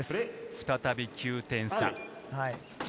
再び９点差。